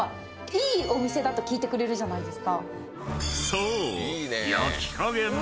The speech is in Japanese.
［そう］